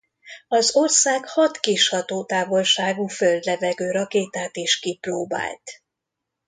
Az ország hat kis hatótávolságú föld-levegő rakétát is kipróbált.